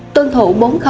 tương thụ bốn